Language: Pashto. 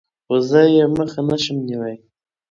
خو زه يې مخه نشم نيوى.